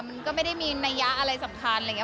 มันก็ไม่ได้มีนัยยะอะไรสำคัญอะไรอย่างนี้